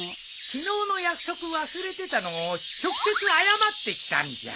昨日の約束忘れてたのを直接謝ってきたんじゃ。